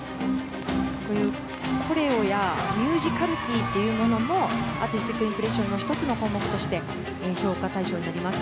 コレオやミュージカルティーというものもアーティスティックインプレッションの１つの項目として評価対象になります。